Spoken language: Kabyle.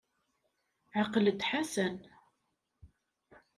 Ɛqel-d Ḥasan.